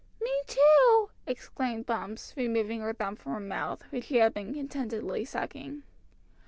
"Me too!" exclaimed Bumps, removing her thumb from her mouth, which she had been contentedly sucking.